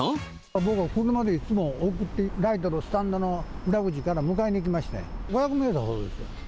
僕、いっつも送って、ライトのスタンドの裏口から迎えに行きまして、５００メートルほどですよ。